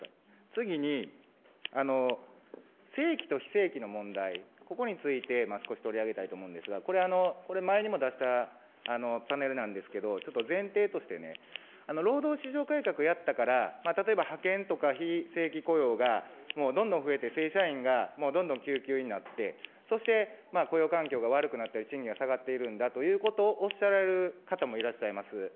次に正規と非正規の問題、ここについて少し取り上げたいと思うんですが、これ、これ前にも出したパネルなんですけど、ちょっと前提としてね、労働市場改革をやったから、例えば派遣とか非正規雇用が、もうどんどん増えて正社員がもうどんどんきゅうきゅうになって、そして雇用環境が悪くなったり、賃金が下がっているんだというようなことをおっしゃられる方もいらっしゃいます。